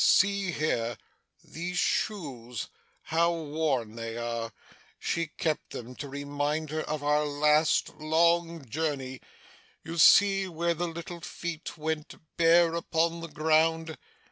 See here these shoes how worn they are she kept them to remind her of our last long journey. You see where the little feet went bare upon the ground.